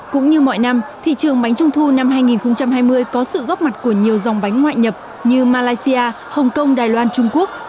cũng như mọi năm thị trường bánh trung thu năm hai nghìn hai mươi có sự góp mặt của nhiều dòng bánh ngoại nhập như malaysia hồng kông đài loan trung quốc